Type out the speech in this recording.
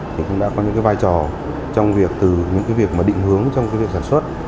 thì cũng đã có những cái vai trò trong việc từ những cái việc mà định hướng trong cái việc sản xuất